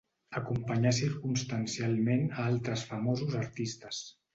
Acompanyà circumstancialment a altres famosos artistes.